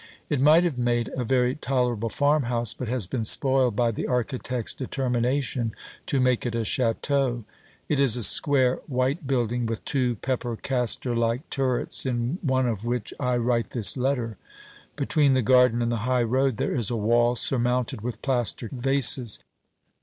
It might have made a very tolerable farmhouse, but has been spoiled by the architect's determination to make it a château. It is a square white building, with two pepper castor like turrets, in one of which I write this letter. Between the garden and the high road there is a wall, surmounted with plaster vases.